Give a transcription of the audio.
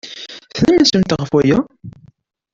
Tennamt-asent ɣef waya?